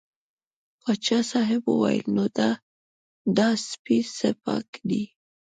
پاچا صاحب وویل نو دا سپی څه پاک دی.